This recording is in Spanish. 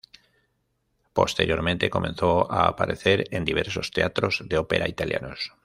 Posteriormente comenzó a aparecer en diversos teatros de ópera italianos.